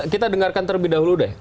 kita dengarkan terlebih dahulu deh